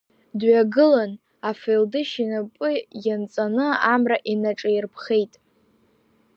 Дҩагылан афелдышь инапы ианҵаны амра инаҿаирԥхеит.